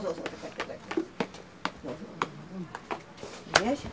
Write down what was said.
よいしょ。